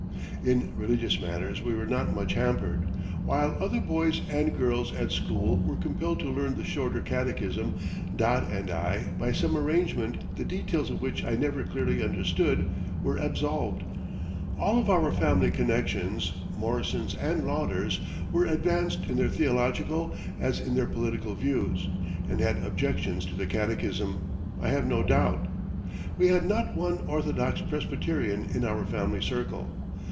In religious matters we were not much hampered. While other boys and girls at school were compelled to learn the Shorter Catechism, Dod and I, by some arrangement the details of which I never clearly understood, were absolved. All of our family connections, Morrisons and Lauders, were advanced in their theological as in their political views, and had objections to the catechism, I have no doubt. We had not one orthodox Presbyterian in our family circle.